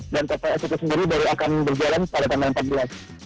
dan pps itu sendiri baru akan berjalan pada tanggal empat belas